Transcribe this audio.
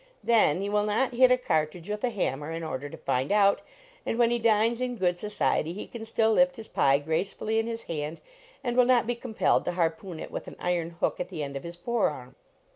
Then he will not hit a cart ridge with a hammer in order to find out, and when he dines in good society he can still lift his pie gracefully in his hand, and will not be compelled to harpoon it with an iron hook at the end of his fore arm.